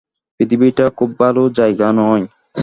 পৃথিবীটা খুব ভালো জায়গা নয়।